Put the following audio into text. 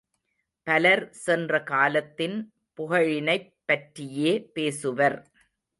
பலர் சென்ற காலத்தின் புகழினைப் பற்றியே பேசுவர்.